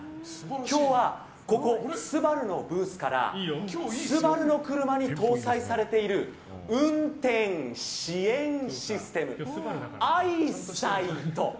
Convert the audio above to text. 今日はここＳＵＢＡＲＵのブースからＳＵＢＡＲＵの車に搭載されている運転支援システム、アイサイト。